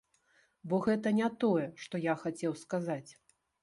Бо гэта не тое, што я хацеў сказаць.